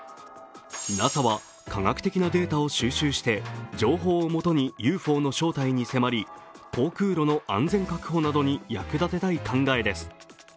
ＮＡＳＡは科学的なデータを収集して情報をもとにＵＦＯの正体に迫り航空路の安全確保などに役立てたい考えです。